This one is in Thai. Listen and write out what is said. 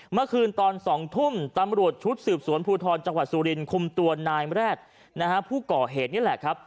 เมื่อคืนตอน๒ทุ่มตำรวจชุดสืบสวนภูทรจังหวัดสุรินคุมตัวนายแร็ดนะฮะผู้ก่อเหตุนี่แหละครับ